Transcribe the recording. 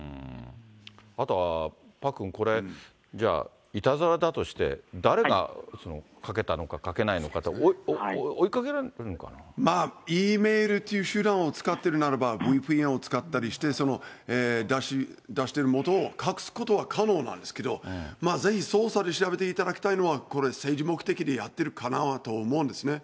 あとは、パックン、これ、じゃあ、いたずらだとして、誰がかけたのかかけないのか、まあ、Ｅメールっていう手段を使ってるならば、を使ったりして、出してる元を隠すことは可能なんですけど、ぜひで調べていただきたいのは、これ、政治目的でやってるかなと思うんですね。